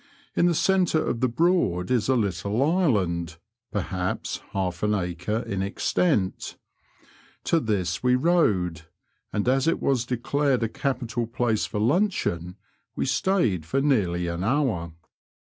In the centre of the Broad is a little island, perhaps half an acre in extent ; to this we rowed, and as it was declared a capital place for luncheon, we stayed for nearly an hour.